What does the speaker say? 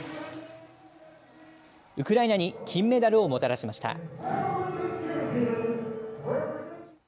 ウクライナに金メダルをもたらしました。